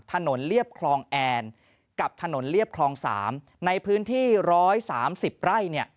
เรียบคลองแอนกับถนนเรียบคลอง๓ในพื้นที่๑๓๐ไร่